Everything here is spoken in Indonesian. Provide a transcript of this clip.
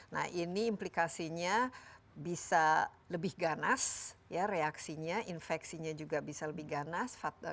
nah ini implikasinya bisa lebih ganas ya reaksinya infeksinya juga bisa lebih ganas